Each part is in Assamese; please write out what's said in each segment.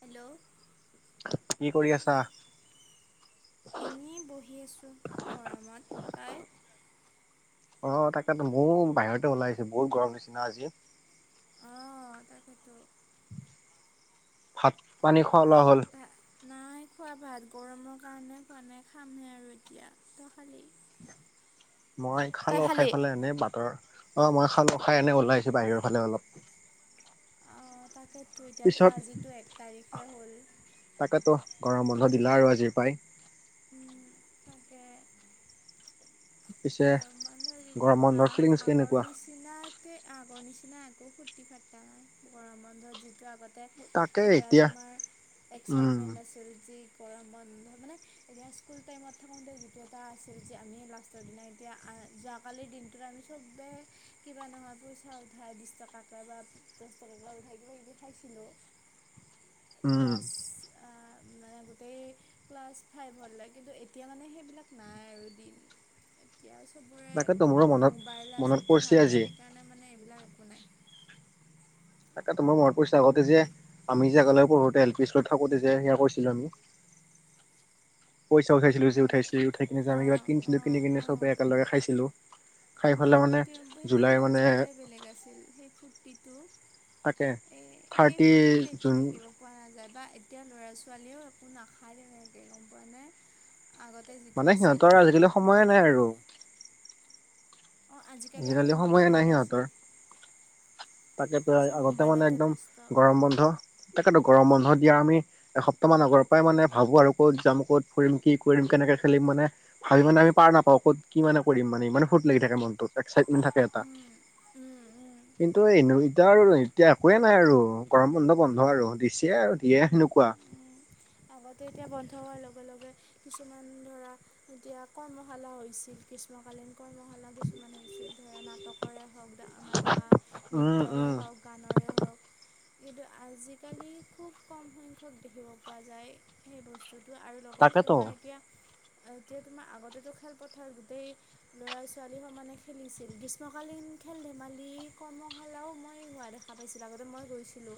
হেল্ল' কি কৰি আছা? এনেই বহি আছো গৰমত তই? অ' তাকেতো ময়ো বাহিৰতে ওলাই আহিছো বহুত গৰম নিচিনা আজি। অ'তাকেইতো। ভাত, পানী খোৱা লোৱা হ'ল? নাই খোৱা ভাত। গৰমৰ কাৰণে খোৱা নাই খামহে আৰু এতিয়া তই খালি? [inaudible] মই তই খালো খাই খালি ফালে এনে বাটৰ অ' মই খালো খাই এনে উলাই আহিছোঁ বাহিৰৰ ফালে অলপ। অ' তাকেটো এতিয়াতো পিছত আজিতো এক তাৰিখে হ'ল। তাকেতো গৰম বন্ধ দিলা আৰু আজিৰ পাই। উম, তাকে। পিছে গৰম বন্ধ দিলোঁ গৰম বন্ধৰ ফিলিংছ হাঁহ আগৰ কেনেকুৱা? নিছ চিনাকে আগৰ নিচিনা একো ফূৰ্তি ফাৰ্তা নাই। গৰম বন্ধত যিটো আগত তে তাকে ধৰা এতিয়া তোমাৰ উম এক্সাইটমেণ্ট আছিল যি গৰম বন্ধ মানে [unintelligible] স্কুল টাইমত থাকোঁতে যিটো এটা আছিল যে আমিয়ে লাষ্ট ষ্টৰ দিনা এতিয়া যোৱাকালিৰ দিনটোত আমি চবেই কিবা নহয় পইচা উঠাই বিছ টকাকে বা দচ টকাকে উঠাই কিবা -কিবি খাইছিলোঁ উম ক্লাছ অ'মানে গোটেই ক্লাছ ফাইভলে কিন্তু এতিয়া মানে সেইবিলাক নাই আৰু দিন। এতিয়া তাকেতো মোৰো চবৰে মনত মোবাইল মনত আছেতো পৰিছে আজি হাতত সেইকাৰণে মানে এইবিলাক একো নাই। তাকে তোমাৰ মনত পৰিছে আগতে যে আমি যে আগলৈ পঢ়োতে এল পি স্কুলত থাকোতে যে সেয়া কৰিছিলোঁ আমি পইচা উঠাইছিলোঁ যে, উম, উঠাইছি উঠাই কিনে যে আমি কিবা অঁ কিনছিলোঁ অঁ কিনি কিনে অঁ চবে একেলগে খাইছিলোঁ। সেইটো, সেইটো মানে মজাটোৱেই বেলেগ আছিল সেই ফূৰ্তিটো। তাকে এ থাৰ্টি সেই ফুৰ্তিটো এতিয়া জুন দেখিব পোৱা নাযায় বা এতিয়া ল'ৰা-ছোৱালীয়েও একো নাখায় তেনেকে গম পোৱা নে? আগতে যিটো মানে আছিল সিহঁতৰ আজিকালি একো সময়ে নাই। আৰু অ' আজিকালি আকৌ সময়ে মোবাইলে নাই না চো সিহঁতৰ তাকেতো এই আগতে মানে একদম গৰম বন্ধ তাকেতো গৰম বন্ধ দিয়া আমি এসপ্তাহ মান আগৰ পৰাই মানে ভাবো আৰু ক'ত যাম, ক'ত ফুৰিম, কি কৰিম, কেনেকে খেলিম মানে ভাবি মানে আমাৰ পাৰ নাপাওঁ ক'ত কি মানে কৰিম মানে ইমান ফুট লাগি থাকে মনটো এক্সাইটমেট থাকে এটা। ওম, ওম, ওম। কিন্তু এনো এতিয়া আৰু, এতিয়া একোৱেই নাই আৰু গৰম বন্ধ, বন্ধ আৰু দিছে আৰু দিয়ে সেনেকুৱা। উম। [inaudible] আগতে এতিয়া বন্ধ হোৱাৰ লগে-লগে কিছুমান ধৰা এতিয়া কৰ্মশালা হৈছিল, ম গ্ৰীষ্কালীন কৰ্মশালা কিছুমান হৈছিল ধৰা নাটকৰে হওঁক দে বা আমাৰ উম নৃত্যৰে উম হওঁক গানৰে হওঁক, কিন্তু আজিকালি খুব কম সংখ্যক ক দেখিব পোৱা যায়। সেই বস্তুটো আৰু লগতে তাকেতো তোমাৰ এতিয়া এতিয়া তোমাৰ, আগতেটো খেলপথাৰ গোটেই। ল'ৰা-ছোৱালী সমানে খেলিছিল। গ্ৰীষ্মকালীন খেল-ধেমালি, কৰ্মশালাও মই হোৱা দেখা দেখা পাইছিলোঁ। আগতে মই গৈছিলোঁ,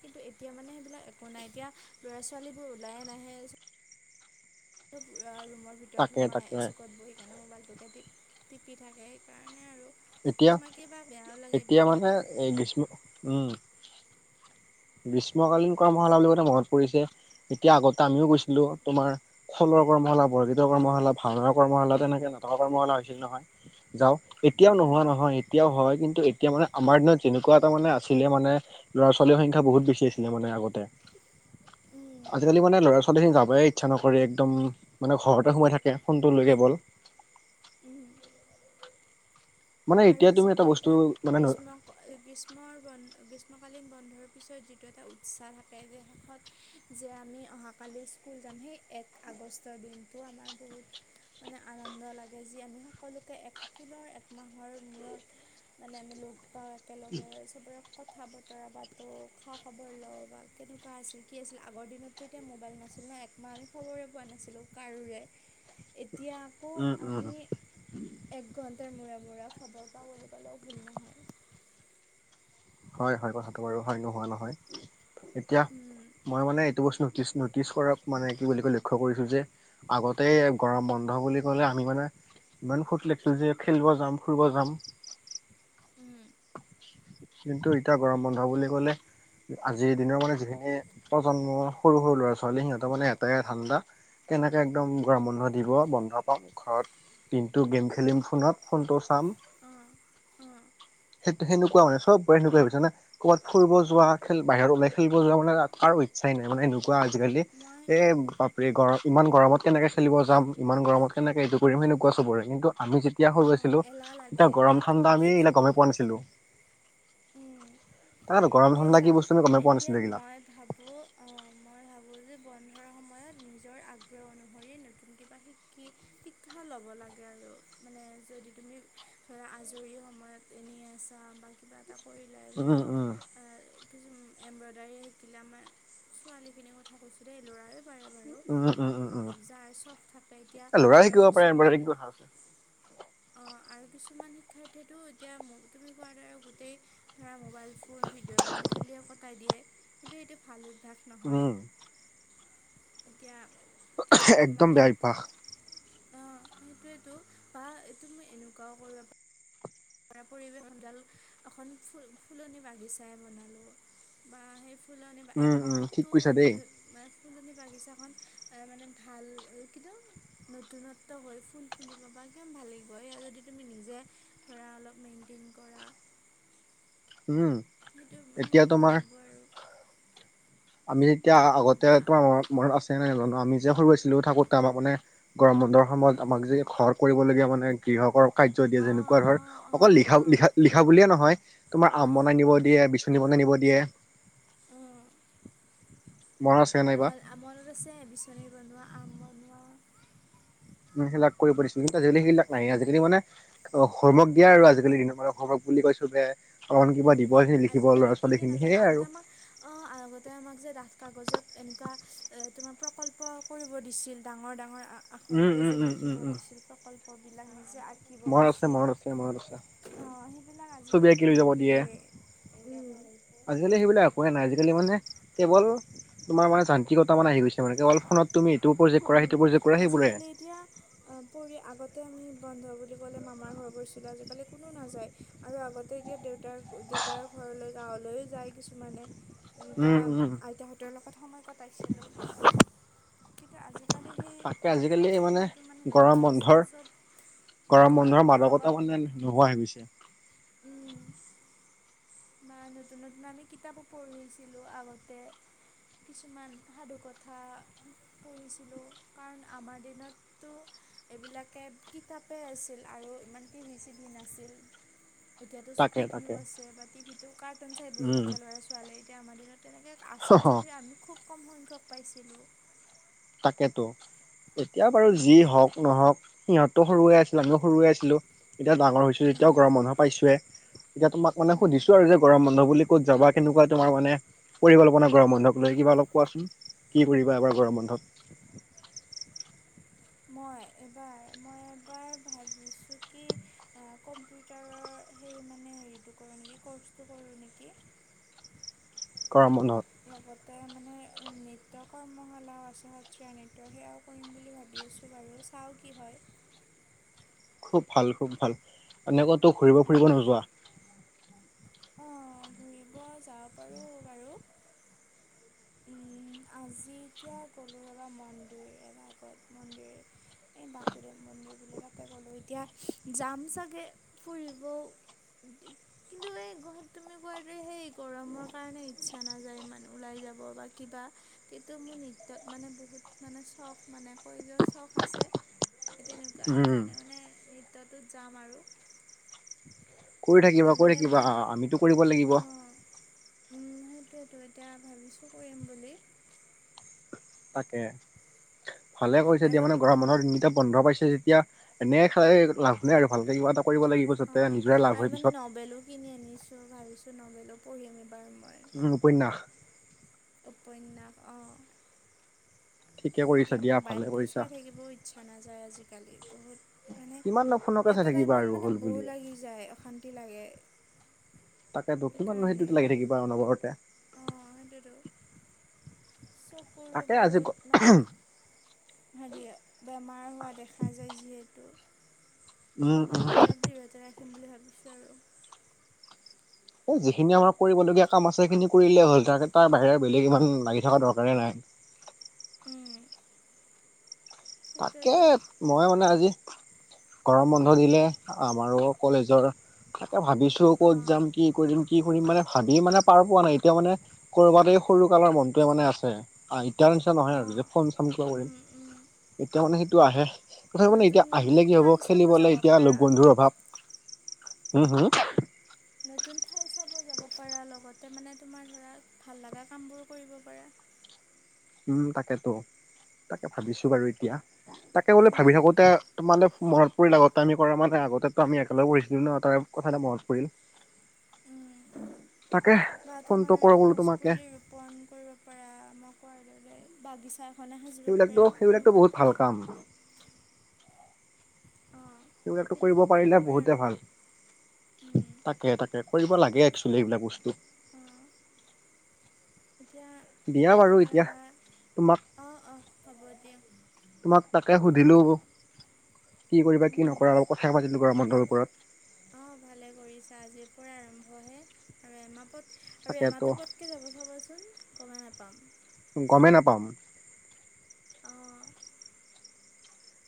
কিন্তু এতিয়া মানে সেইবিলাক একো নাই এতিয়া। ল'ৰা-ছোৱালীবোৰ ওলাই নাহে। ৰুমৰ ভিতৰত তাকে সোমাই, তাকে এচুকত বহি সেইকাৰণে মোবাইলটোকে টিপ, টিপি থাকে, সেইকাৰণে আৰু। এতিয়া, কিছুমান কিবা বেয়াও লাগে এতিয়া মানে ভাবিলে এই গ্ৰীষ্ম, উম্। গ্ৰীষ্মকালীন কৰ্মশালা বুলি কওঁতে মনত পৰিছে। এতিয়া, আগতে আমিও গৈছিলোঁ। তোমাৰ খোলৰ কৰ্মশালা, বৰগীতৰ কৰ্মশালা, ভাওনাৰ কৰ্মশালা, তেনেকে নাটকৰ কৰ্মশালা হৈছিল নহয়, যাওঁ। এতিয়াও নোহোৱা উম নহয়, এতিয়াও হয়। কিন্তু এতিয়া মানে আমাৰ দিনত যেনেকুৱা এটা মানে আছিলে, মানে ল'ৰা-ছোৱালীৰ সংখ্যা বহুত বেছি আছিলে মানে আগতে। উম আজিকালি মানে ল'ৰা-ছোৱালীৰ লৰা-ছোৱালীখিনি যাবয়ে ইচ্ছা নকৰে, একদম মানে ঘৰতে সোমাই থাকে। ফোনটো লৈ কেৱল উম মানে আৰু এতিয়া তুমি যিটো বস্তু এটা মানে গ্ৰীষ্ম গ্ৰীষ্মৰ বন্ধ, গ্ৰীষ্মকালীন বন্ধৰ পিছত যিটো এটা উৎসাহ থাকে যে, শেষত যে আমি অহাকালি স্কুল যাম, সেই এক আগষ্টৰ দিনটো আমাৰ বহুত মানে আনন্দ লাগে, যে আমি সকলোকে এক পুনৰ একমাহৰ মূৰত মানে আমি লগ পাওঁ, একেলগে চবৰে কথা-বতৰা পাতোঁ। খা-খবৰ লওঁ বা কেনেকুৱা আছিল, কি আছিল, আগৰ দিনত। তেতিয়া মোবাইল নাছিল ন, একমাহ আমি খবৰে পোৱা নাছিলোঁ কাৰোৰে। এতিয়া আকৌ উম উম আমি এক ঘণ্টাৰ মূৰে-মূৰে খবৰ পাওঁ, বুলি ক'লেও ভুল নহয়। হয় হয়, কথাটো বাৰু হয়, নোহোৱা নহয়। এতিয়া উম মই মানে এইটো বস্তু নটিচ কৰোঁ। নটিচ কৰা মানে কি বুলি কয়, লক্ষ্য কৰিছোঁ যে, আগতে গৰম বন্ধ বুলি ক'লে, আমি মানে ইমান ফুৰ্তি লাগিছিল যে, খেলিব যাম, ফুৰিব যাম। উম্। কিন্তু এতিয়া গৰম বন্ধ বুলি ক'লে আজিৰ দিনৰ মানে যিখিনি প্ৰজন্ম, সৰু সৰু ল'ৰা-ছোৱালী, সিহঁতৰ মানে এটাই ধাণ্ডা। কেনেকে একদম গৰম বন্ধ দিব, বন্ধ পাম। ঘৰত দিনটো গেম খেলিম ফোনত, ফোনটো চাম। অঁ অঁ সেইটো, সেনেকুৱা হয়। চ'ব এনেকুৱাই হৈছে। হয় নে? ক'ৰবাত ফুৰিব যোৱা, খেল বাহিৰত ওলাই খেলিব যোৱা, মানে কাৰো ইচ্ছাই নাই। মানে উম এনেকুৱা আজিকালি। মই এই এই গৰমত, ইমান গৰমত কেনেকে খেলিব যাম, ইমান গৰমত কেনেকে এইটো কৰিম। সেনেকুৱা চবৰে কিন্তু- আমি যেতিয়া সৰু অঁ আছিলোঁ, এলাহ লাগে তেতিয়া গৰম, এলাহটো ঠাণ্ডা বেছি এইবিলাক গমেই পোৱা নাছিলোঁ। চবৰে তাত এতিয়া। উম গৰম, এতিয়া ঠাণ্ডা চোৱা কি বস্তু আমি গমেই পোৱা এতিয়া নাছিলোঁ, এইবিলাক। মই ভাবোঁ, মই ভাবোঁ যে বন্ধৰ সময়ত নিজৰ আগ্ৰহ অনুসৰি নতুন কিবা শিকিবলৈ কি শিক্ষা ল'ব লাগে আৰু, মানে যদি তুমি ধৰা আজৰি সময়ত এনেই আছা, বা কিবা এটা পৰিলে উম ধৰা উম কিছু এম্ব্ৰডাৰী শিকিলে, আমাৰ ছোৱালীখিনিৰ কথা কৈছোঁ দেই। ল'ৰাৰ কৰে বাৰু, উম উম উম উম যাৰ চখ থাকে। এতিয়া এ ল'ৰাই শিকিব আৰু পাৰে এম্ব্ৰইডাৰী কিছুমান কি কথা আছে। অ', আৰু কিছুমান শিক্ষাৰ্থীয়ে টো এতিয়া তুমি কোৱাৰ দৰে গোটেই ধৰা মোবাইল ফোন ভিডিঅ' গেম খেলিয়ে কটাই দিয়ে কিন্তু এইটো ভাল অভ্যাস নহয়, উম এতিয়া একদম মানে বেয়া অভ্যাস অ' সেইটোতো বা এইটো তুমি এনেকুৱাও কৰিব পাৰা পৰিৱেশ ডাল এখন ফুল ফুলনি বাগিচাই বনালোঁ বা সেই ফুলনি এক উম উম ঠিক মাহতটো কৈছা দেই মানে ফুলনি বাগিচাখন ত' মানে ভাল কিন্তু নতুনত্বৰ হয়। ফুল ফুলিব বা একদম ভাল লাগিব এয়া যদি তুমি নিজে ধৰা অলপ মেইন্টেইন কৰা। উম। সেইটো মানে এতিয়া ভাল তোমাৰ লাগিব আৰু। আমি যেতিয়া আগতে বা তোমাৰ মনত আছে নে নাই নাজানোঁ আমি যে সৰু আছিলোঁ, থাকোতে আমাৰ মানে গৰম বন্ধৰ সময়ত আমাক যে ঘৰ কৰিবলগীয়া মানে গৃহটোৰ কাৰ্য দিয়ে যে। অঁ যেনেকুৱা ধৰ অঁ অকল অঁ লিখা অঁ লিখা বুলিয়ে নহয় তোমাৰ আম অঁ বনাই নিব দিয়ে বিচনী বনাই নিব দিয়ে। উম। মনত আছেনে নাই বা? মনত আছে বিচনী বনোৱা আম বনোৱা। সেইবিলাক কৰিছিলোঁ। কিন্তু আজিকালি সেইবিলাক নাই। আজিকালি মানে অ' হোৱৰ্ক দিয়া আৰু আজিকালি দিনৰ হোৱৰ্ক বুলি কয় চবেই। অকণ কিবা দিব এখিনি লিখিব আজিকালি ল'ৰা কি ছোৱালী দিয়ে খিনি নাজানো সেয়ে আগতে আৰু। আমাক অঁ আগতে আমাক যে ডাঠ কাগজত এনেকুৱা তোমাৰ প্ৰকল্প কৰিব দিছিল। ডাঙৰ ডাঙৰ আ, উম আখৰেৰে উম যে উম উম লিখিব উম দিছিল প্ৰকল্পবিলাক নিজেই শিকিব মনত আছে দিছিল। মনত আছে মনত আছে অ' সেইবিলাক ছবি আজিকালি আঁকি লৈ যাব দিয়ে নিদিয়ে। দিয়ে এনে আজিকালি সেইবিলাক একোৱে নাই। আজিকালি মানে কেৱল তোমাৰ মই যান্ত্ৰিকতা মান আহি গৈছে। কেৱল ফোনত তুমিটো ইটো প্ৰজেক্ট কৰা সিটো প্ৰজেক্ট কৰা সেইবোৰেই আজিকালি এতিয়া পৰি, আগতে আমি বন্ধ বুলি ক'লে মামাৰ ঘৰত গৈছিলোঁ। আজিকালি কোনো নাযায়। আৰু আগতে এতিয়া দেউতাৰ, দেউতাৰ ঘৰলৈ গাঁৱলৈই যায় লৈ যায় কিছুমানে বা উম উম আইতাহঁতৰ লগত সময় কটাইছিলোঁ। কিন্তু আজিকালি সেই তাকে আজিকালি সময়টো মানে নোহোৱা গৰম হৈছে বন্ধৰ চ'ব গৰম বন্ধৰ নতুনত্বৰ মাদকতাই মানে নোহোৱা হৈ গৈছে। উম। বা নতুন নতুন আমি কিতাপো পঢ়িছিলোঁ আগতে। কিছুমান সাধুকথাৰ। পঢ়িছিলোঁ কাৰণ আমাৰ দিনটো এইবিলাকে কিতাপেই আছিল আৰু ইমান টিভি চিভি নাছিল। এতিয়াতো তাকে টি ভিউ তাকে আছে। টি ভিত কাটুন চাই বহি উম থাকে ল'ৰা ছোৱালীয়ে এতিয়া আমাৰ দিনত তেকে আছিল যদিও আমি খুব কম সংখ্যক পাইছিলোঁ। তাকেতো। এতিয়া বাৰু যি হওক নহওঁক সিহঁতো সৰুৱে আছিল আমিও সৰুৱে আছিলো এতিয়া ডাঙৰ হৈছোঁ। যেতিয়া গৰম পাইছিলোঁ বন্ধ পাইছছেই এতিয়া তোমাক মানে সুধিছো আৰু যে গৰম বন্ধ বুলি ক'ত যাবা কেনেকুৱা তোমাৰ মানে পৰিকল্পনা গৰম বন্ধক লৈ কিবা অলপ কোৱাচোন। কি কৰিবা এবাৰ গৰম বন্ধত। মই এবাৰ মই এবাৰ ভাবিছোঁ কি আ কম্পিউটাৰৰ সেই মানে হেৰিটো কৰোঁ নেকি ক'ৰ্চটো কৰোঁ নেকি? গৰম বন্ধত? লগতে মানে নৃত্য কৰ্মশালা আছে সত্ৰীয়া নৃত্য সেয়াও - কৰিম বুলি ভাবি আছোঁ বাৰু চাওঁ কি হয়। খুব ভাল খুব ভাল, এনেই কতো ঘুৰিব ফুৰিব নোযোৱা? অ ঘূৰিব যাব পাৰো বাৰু। উম আজি এতিয়া গ'লোঁ ৰবা মন্দিৰ এভাগত মন্দিৰ। এই বাসুদেৱ মন্দিৰ বুলি কয় তাতে গ'লোঁ, এতিয়া যাম চাগে ফুৰিবও। [unintelligible] কিন্তু এই গুৱাহাটী তুমি কোৱা দৰে সেই গৰমৰ কাৰণে ইচ্ছা নাযায় ইমান ওলাই যাব। বা কিবা - কিন্তু মোৰ নৃত্যত মানে বহুত মানে চখ মানে কৰি যোৱা চখ আছে। হে তেনেকুৱা, উম সেইকাৰণে মানে নৃত্যটোত যাম আৰু। কৰি থাকিবা আৰু কৰি মানে থাকিবা মই আমিতো কৰিব লাগিব। উম সেইটোৱেতো এতিয়া ভাবিছোঁ কৰিম বুলি। তাকে, ভালে কৰিছা দিয়া আৰু মানে - গৰম বন্ধত এতিয়া বন্ধ পাইছে যেতিয়া এনেই খাই এই - লাভ নাই আৰু ভালকে কিবা এটা কৰিব লাগিব যাতে অঁ নিজৰে লাভ আৰু হয় মানে পিছত। নবেলো কিনি আনিছোঁ ভাবিছোঁ নভেলো পঢ়িম এইবাৰ মই। উম উপন্যাস? উপন্যাস অ। ঠিকে কৰিছা এতিয়া দিয়া ভালে মোবাইলটো কৰিছা চাই থাকিবও ইচ্ছা নাযায় আজিকালি বহুত - মানে কিমাননো ফোনকে চাই এটা থাকিবা টাইমত আৰু মানে হ'ল বৰ বুলিয়ে লাগি যায় অশান্তি লাগে। তাকে টো কিমান নো সেইটোতে লাগি থাকিবা অনবৰতে। অ সেইটোৱেতো, চকুৰো তাকে আজি বহুত মানে - হেৰি এইয়া, বেমাৰ হোৱা দেখা যায় যিহেতু। উম উম মোবাইলটো অলপ দূৰতে ৰাখিম বুলি ভাবিছোঁ আৰু। এ যিখিনি আমাৰ কৰিবলগীয়া কাম আছে সেইখিনি কৰিলে হ'ল তাৰ তাৰ বাহিৰে বেলেগ ইমান লাগি থকা দৰকাৰে নাই। উম। তাকে সেইটোৱেতো মই মানে আজি - গৰম বন্ধ দিলে আমাৰো কলেজৰ তাকে ভাবিছো ক'ত অঁ যাম - কি কৰিম কি কৰিম মানে ভাবি মানে পাৰ পোৱা নাই এতিয়া মানে কৰ'বাত এই সৰু কালৰ মনটোৱে মানে আছে। অ এতিয়া নিচিনা নহয় আৰু অঁ যে ফোন চাম কিবা উম কৰিম। উম। এতিয়া মানে সেইটো আহে, তথাপিও মানে এতিয়া নতুন আহিলে কি হব ঠাই চাব খেলিবলে যাব এতিয়া লগ পাৰা বন্ধুৰ অভাৱ। হু হু? নতুন ঠাই চাব যাব পাৰা লগতে মানে তোমাৰ ধৰা ভাল লগা কামবোৰ কৰিব পাৰা। উম তাকেতো, তাকে ভাবিছো বাৰু এতিয়া, তাকে বোলে ভাবি উম, থাকোতে - তোমালে মনত পৰিল আগতে আমি কৰা মানে আগতে টো আমি একেলগ পঢিছিলো ন তাৰ কথা এটা মনত পৰিল। উম। তাকে ফোনটো কৰো বোলো তোমাকে। পণ কৰিব পাৰা ম‌ই কোৱাৰ দৰে বাগিচা এখনে সাজিব সেইবিলাকতো পাৰা সেইবিলাকতো তেনেকুৱা। বহুত ভাল কাম - অঁ সেইবিলাকতো তেনেকুৱা কৰিব পাৰিলে পাৰা আৰু বহুতে ভাল। উম, তাকে তাকে কৰিব লাগে একচুৱেলি এইবিলাক বস্তু। অঁ এতিয়া - দিয়া বাৰু এতিয়া তোমাক- অঁ অঁ হ'ব দিয়া। তোমাক তাকে সুধিলো, কি কৰিবা কি উম, নকৰা অলপ কথাই পাতিলো। গৰমবন্ধৰ ওপৰত। অঁ ভালে কৰিছা আজিৰ পৰা আৰম্ভহে, আৰু এমাপদ আৰু তাকেতো এমাহটো বহুত- তিয়া যাব চাবাচোন, গমে নাপাম। গমে নাপাম। অঁ'।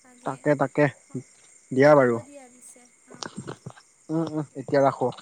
তাকে, অ দিয়া হ'ব বাৰু দিয়া পিছে অঁ। উম' উম' এতিয়া ৰাখো।